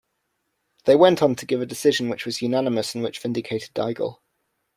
They went on to give a decision, which was unanimous and which vindicated Daigle.